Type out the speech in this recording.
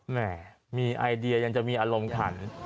แม่มีไอเดียยังจะมีอารมณ์ขัน